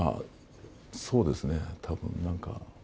そうですね、たぶん、なんか。